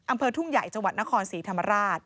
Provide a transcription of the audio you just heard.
อำเภอทุ่งใหญ่จังหวัดนครศรีธรรมราช